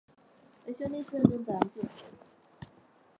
为兄弟四人中长子。